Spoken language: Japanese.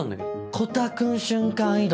コタくん瞬間移動？